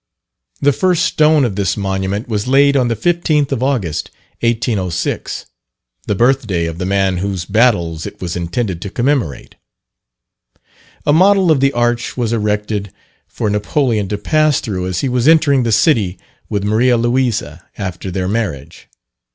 The first stone of this monument was laid on the 15th of August, 1806, the birth day of the man whose battles it was intended to commemorate. A model of the arch was erected for Napoleon to pass through as he was entering the city with Maria Louisa, after their marriage.